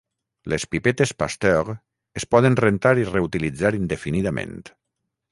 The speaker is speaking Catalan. Les pipetes Pasteur es poden rentar i reutilitzar indefinidament.